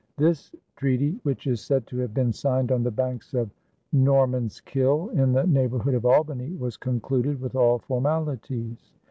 This treaty, which is said to have been signed on the banks of Norman's Kill in the neighborhood of Albany, was concluded with all formalities.